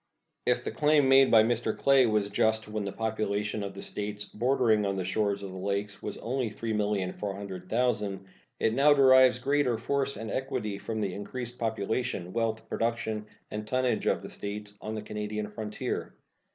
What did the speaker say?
If the claim made by Mr. Clay was just when the population of States bordering on the shores of the Lakes was only 3,400,000, it now derives greater force and equity from the increased population, wealth, production, and tonnage of the States on the Canadian frontier.